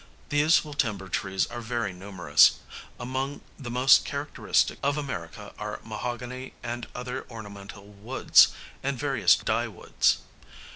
The useful timber trees are very numerous; among the most characteristic of America are mahogany and other ornamental woods, and various dyewoods.